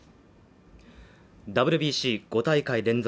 ＷＢＣ５大会連続